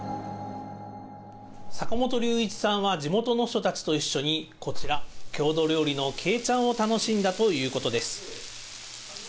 坂本龍一さんは、地元の人たちと一緒に、こちら、郷土料理の鶏ちゃんを楽しんだということです。